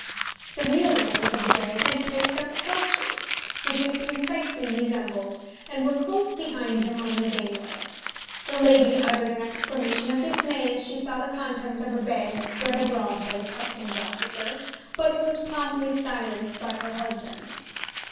The real owners of the bag had picked up Quelch's which it precisely resembled, and were close behind him on the gangway. The lady uttered an exclamation of dismay as she saw the contents of her bag spread abroad by the customs officer, but was promptly silenced by her husband.